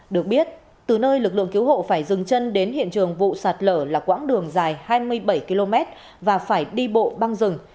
được biết từ nơi lực lượng cứu hộ phải dừng chân đến hiện trường vụ sạt lở là quãng đường dài hai mươi bảy km và phải đi bộ băng rừng